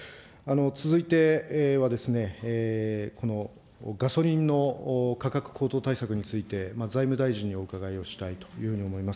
続いては、このガソリンの価格高騰対策について、財務大臣にお伺いをしたいというふうに思います。